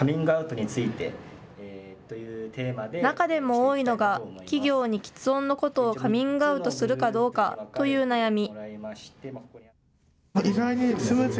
中でも多いのが、企業にきつ音のことをカミングアウトするかどうかという悩み。